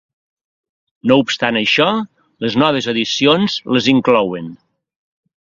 No obstant això, les noves edicions les inclouen.